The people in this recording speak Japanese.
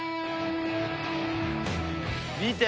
見て。